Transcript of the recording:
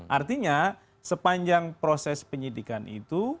artinya sepanjang proses penyidikan itu